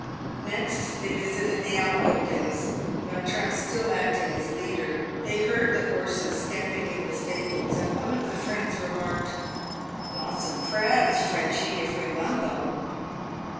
Next they visited the outbuildings, Vautrin still acting as leader. They heard the horses stamping in the stables, and one of the friends remarked, " Lots of prads, Erenchy, if we want them."